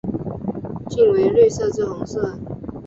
茎为绿色至红色。